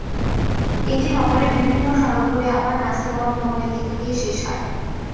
এটি নগরের বিভিন্ন সড়ক ঘুরে আবার নাসিমন ভবনের সামনে গিয়ে শেষ হয়।